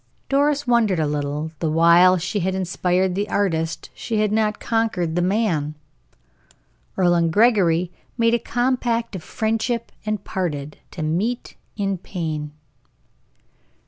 Doris wondered a little, the while she had inspired the artist, she had not conquered the man. Earle and Gregory made a compact of friendship and parted to meet in pain.